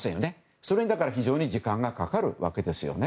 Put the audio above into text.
それに非常に時間がかかるわけですね。